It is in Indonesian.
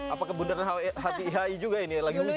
apa kebundaran hati hi juga ini lagi hujan lagi